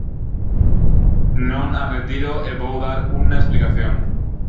Non a retiro e vou dar unha explicación.